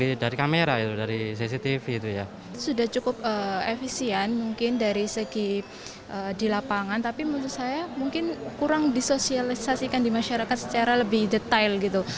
tapi menurut saya mungkin kurang disosialisasikan di masyarakat secara lebih detail gitu